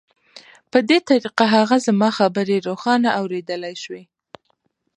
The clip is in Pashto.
په دې طریقه هغه زما خبرې روښانه اورېدلای شوې